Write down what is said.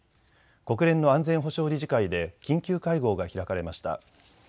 国連の安全保障理事会で緊急会合が開かれました。